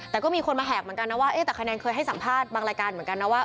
แต่ก็มีคนมาแหกเหมือนกันนะว่าแต่คะแนนเคยให้สัมภาษณ์บางรายการเหมือนกันนะว่า